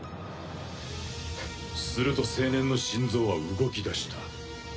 すると青年の心臓は動き出した。